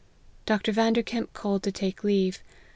Dr. Vanderkemp called to take leave.